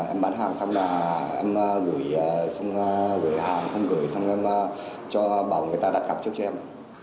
em bán hàng xong là em gửi hàng không gửi xong rồi em cho bảo người ta đặt cặp trước cho em